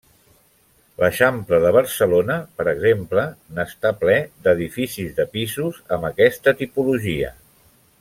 L'Eixample de Barcelona, per exemple, n'està ple, d'edificis de pisos amb aquesta tipologia.